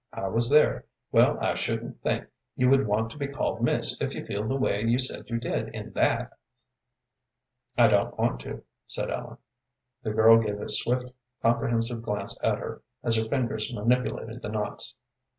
I was there. Well, I shouldn't think you would want to be called miss if you feel the way you said you did in that." "I don't want to," said Ellen. The girl gave a swift, comprehensive glance at her as her fingers manipulated the knots.